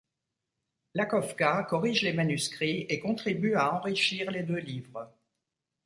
Lakofka corrige les manuscrits et contribue à enrichir les deux livres.